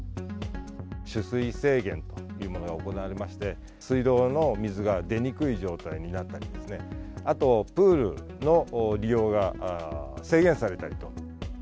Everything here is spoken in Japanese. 取水制限というものが行われまして、水道の水が出にくい状態になったりですね、あとプールの利用が制限されたりと。